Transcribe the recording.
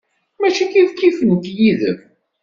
Mačči kifkif nekk yid-m.